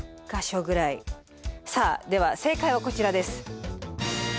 さあでは正解はこちらです。